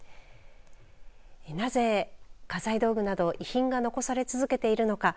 なぜ家財道具など遺品が残され続けているのか。